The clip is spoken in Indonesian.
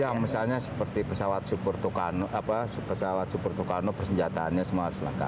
ya misalnya seperti pesawat super pesawat super tucano persenjataannya semua harus langka